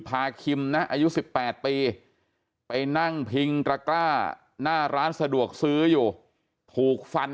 คิมนะอายุ๑๘ปีไปนั่งพิงตระกร้าหน้าร้านสะดวกซื้ออยู่ถูกฟัน